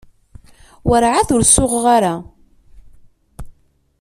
Werɛad ur suɣeɣ ara.